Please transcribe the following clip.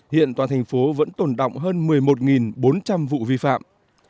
hiện toàn thành phố vẫn tồn động hơn một mươi một bốn trăm linh vụ vi phạm